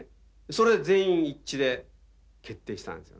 それで全員一致で決定したんですよね。